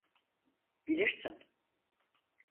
Bilirsin.